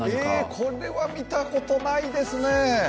これは見たことないですね。